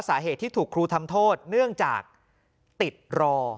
สาเหตุที่ถูกครูทำโทษเนื่องจากติดรอ